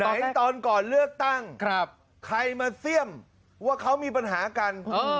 เห็นตอนก่อนเลือกตั้งใครมาเสี่ยมว่าเขามีปัญหากัน